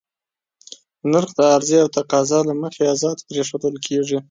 نرخ د عرضې او تقاضا له مخې ازاد پرېښودل کېږي.